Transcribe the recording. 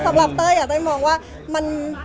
สำหรับเต้ยเต้ยมองว่า